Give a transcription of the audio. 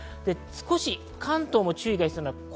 少し関東も注意が必要です。